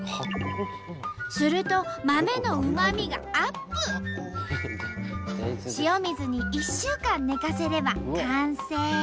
すると塩水に１週間寝かせれば完成。